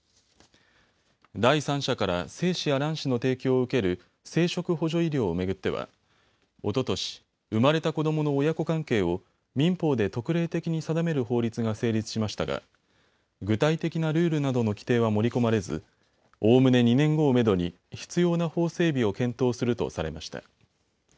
第三者から精子や卵子の提供を受ける生殖補助医療を巡ってはおととし生まれた子どもの親子関係を民法で特例的に定める法律が成立しましたが具体的なルールなどの規定は盛り込まれずおおむね２年後をめどに必要な法整備を検討するとされました。